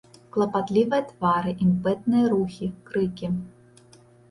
Клапатлівыя твары, імпэтныя рухі, крыкі.